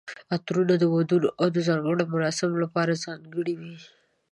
عطرونه د ودونو او ځانګړو مراسمو لپاره ځانګړي وي.